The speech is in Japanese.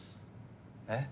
えっ？